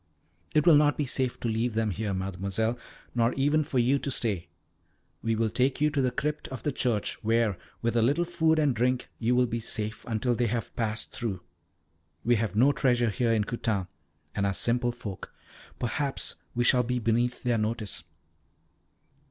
"It will not be safe to leave them here, Mademoiselle, nor even for you to stay. We will take you to the crypt of the church, where, with a little food and drink, you will be safe until they have passed through. We have no treasure here in Coutane, and are simple folk. Perhaps we shall be beneath their notice."